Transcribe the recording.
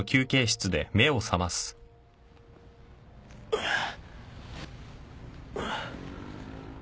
あっ。